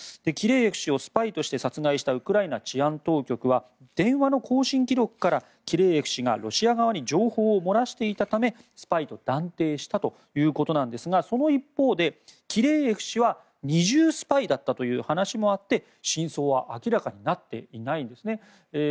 キレーエフ氏をスパイとして殺害したウクライナ治安当局は電話の交信記録からキレーエフ氏がロシア側に情報を漏らしていたためスパイと断定したということなんですがその一方でキレーエフ氏は２重スパイだったという話もあって真相は明らかになっていないんですね。